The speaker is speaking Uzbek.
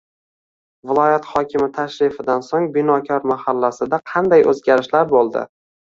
Viloyat hokimi tashrifidan so‘ng Binokor mahallasida qanday o‘zgarishlar bo‘ldi?